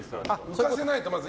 浮かせないと、まず。